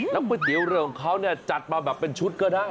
แล้วก๋วยเตี๋ยวเรือของเขาเนี่ยจัดมาแบบเป็นชุดก็ได้